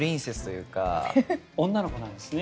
女の子なんですね。